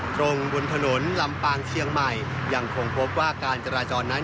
ตรงบนถนนลำปางเชียงใหม่ยังคงพบว่าการจราจรนั้น